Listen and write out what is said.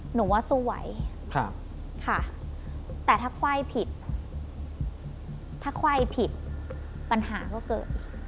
หนูว่าสวยแต่ถ้าไขว่ผิดถ้าไขว่ผิดปัญหาก็เกิดอีก